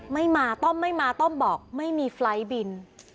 ไม่มาต้อมไม่มาต้อมบอกไม่มีไฟล์ทบิน